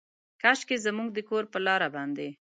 کاشکي زموږ د کور پر لاره باندې،